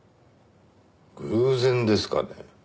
偶然ですかね？